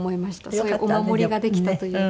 そういうお守りができたというか。